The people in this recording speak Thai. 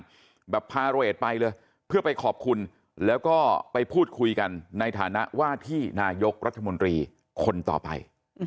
แบบพาโรเอดไปเลยเพื่อไปขอบคุณแล้วก็ไปพูดคุยกันในฐานะว่าที่นายกรัฐมนตรีคนต่อไป